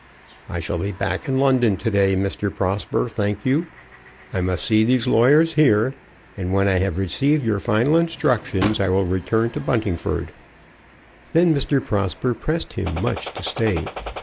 "I shall be back in London to day, Mr. Prosper, thank you. I must see these lawyers here, and when I have received your final instructions I will return to Buntingford." Then Mr. Prosper pressed him much to stay.